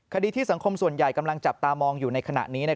คดีที่สังคมส่วนใหญ่กำลังจับตามองอยู่ในขณะนี้